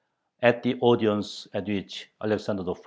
At the audience at which Alexander I.